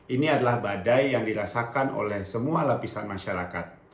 ini adalah badai yang dirasakan oleh semua lapisan masyarakat